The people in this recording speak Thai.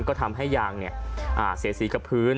ก็ทำให้ยางเสียสีกับพื้น